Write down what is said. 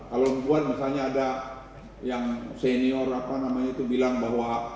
kalau buat misalnya ada yang senior apa namanya itu bilang bahwa